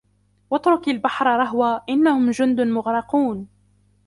وَاتْرُكِ الْبَحْرَ رَهْوًا إِنَّهُمْ جُنْدٌ مُغْرَقُونَ